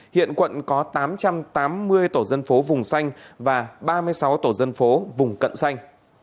hiện quận có tám trăm tám mươi tổ dân phố vùng xanh và ba mươi sáu tổ dân phố vùng cận xanh